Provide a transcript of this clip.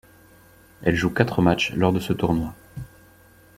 Elle joue quatre matchs lors de ce tournoi.